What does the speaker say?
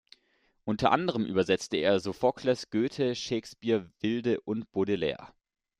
Unter anderem übersetzte er Sophokles, Goethe, Shakespeare, Wilde und Baudelaire.